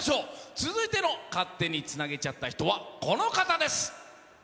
続いての勝手につなげちゃった人はこの方です。